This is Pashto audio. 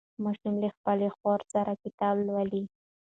ماشوم له خپلې خور سره کتاب لولي